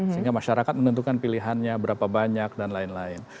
sehingga masyarakat menentukan pilihannya berapa banyak dan lain lain